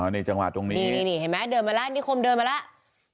นี่จังหวะตรงนี้นี่เห็นไหมเดินมาแล้วนิคมเดินมาแล้ว